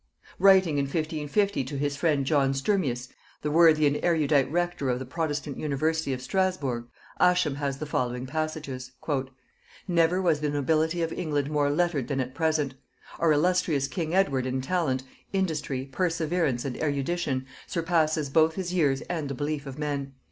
Writing in 1550 to his friend John Sturmius, the worthy and erudite rector of the protestant university of Strasburgh, Ascham has the following passages. "Never was the nobility of England more lettered than at present. Our illustrious king Edward in talent, industry, perseverance, and erudition, surpasses both his own years and the belief of men....